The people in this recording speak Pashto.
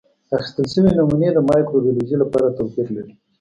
اخیستل شوې نمونې د مایکروبیولوژي لپاره توپیر لري.